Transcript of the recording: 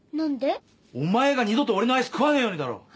お前が二度と俺のアイス食わねえようにだろ。